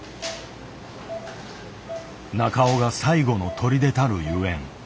中尾が「最後の砦」たるゆえん。